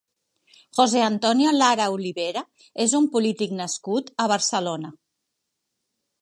José Antonio Lara Olivera és un polític nascut a Barcelona.